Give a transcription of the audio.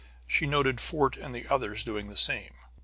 She noted Fort and the others doing the same.